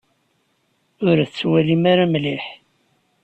Ur tettwalim ara mliḥ.